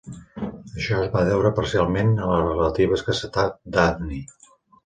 Això es va deure parcialment a la relativa escassetat d'hafni.